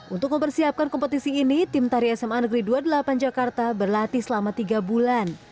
untuk mempersiapkan kompetisi ini tim tari sma negeri dua puluh delapan jakarta berlatih selama tiga bulan